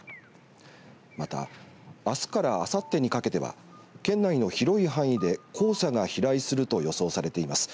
またあすからあさってにかけては県内の広い範囲で黄砂が飛来すると予想されています。